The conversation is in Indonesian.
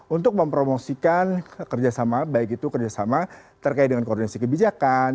untuk mempromosikan kerjasama baik itu kerjasama terkait dengan koordinasi kebijakan